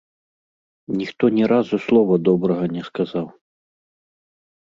Ніхто ні разу слова добрага не сказаў.